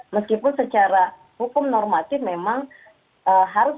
meskipun secara hukum normatif memang harus